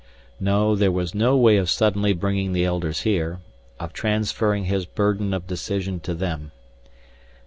No, there was no way of suddenly bringing the Elders here, of transferring his burden of decision to them.